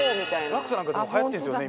ラクサなんかでもはやってるんですよね